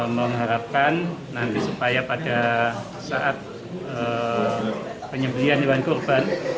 mengharapkan nanti supaya pada saat penyembelian jualan korban